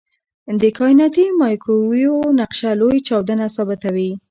د کائناتي مایکروویو نقشه لوی چاودنه ثابتوي.